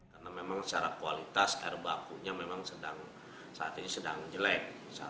karena memang secara kualitas air bakunya memang saat ini sedang jelek